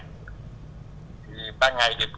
thì ba ngày thì